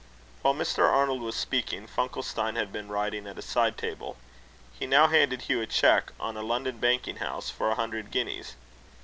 While Mr. Arnold was speaking, Funkelstein had been writing at a side table. He now handed Hugh a cheque on a London banking house for a hundred guineas.